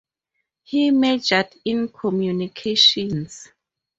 He majored in communications.